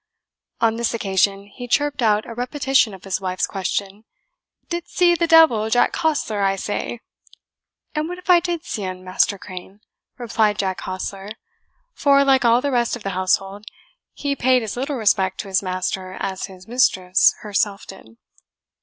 On this occasion he chirped out a repetition of his wife's question, "Didst see the devil, Jack Hostler, I say?" "And what if I did see un, Master Crane?" replied Jack Hostler, for, like all the rest of the household, he paid as little respect to his master as his mistress herself did.